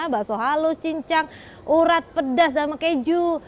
bakso halus cincang urat pedas dan keju